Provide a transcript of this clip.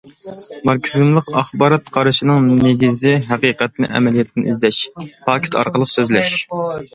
ماركسىزملىق ئاخبارات قارىشىنىڭ نېگىزى ھەقىقەتنى ئەمەلىيەتتىن ئىزدەش، پاكىت ئارقىلىق سۆزلەش.